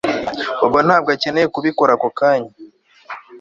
Bobo ntabwo akeneye kubikora ako kanya